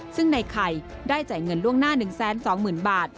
ซึ่งในไข่ได้จ่ายเงินล่วงหน้า๑๒๐๐๐บาท